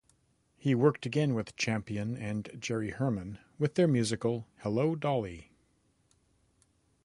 He worked again with Champion and Jerry Herman, with their musical Hello, Dolly!